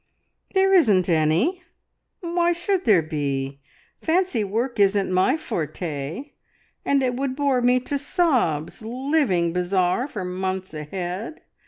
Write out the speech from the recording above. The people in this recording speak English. "There isn't any. Why should there be? Fancy work isn't my forte, and it would bore me to sobs living bazaar for months ahead.